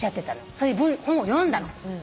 そういう本を読んだの。